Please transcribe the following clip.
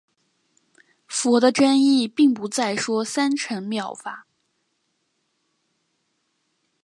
佛的真意并不再说三乘妙法。